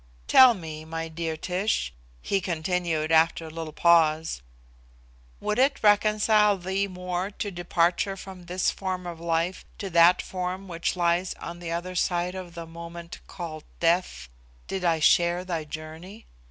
Tell me, my dear Tish," he continued after a little pause, "would it reconcile thee more to departure from this form of life to that form which lies on the other side of the moment called 'death,' did I share thy journey?